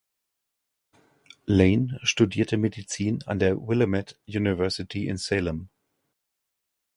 Lane studierte Medizin an der Willamette University in Salem.